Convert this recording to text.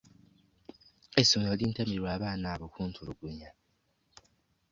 Essomero lintamye lwa baana abo kuntulugunya.